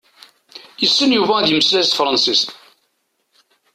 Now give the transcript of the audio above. Yessen Yuba ad yemmeslay s tefransist.